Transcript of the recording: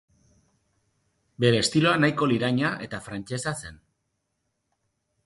Bere estiloa nahiko liraina eta frantsesa zen.